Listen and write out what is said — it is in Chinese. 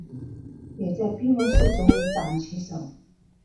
也在闭幕式作为掌旗手。